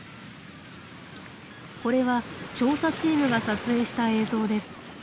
これは調査チームが撮影した映像です。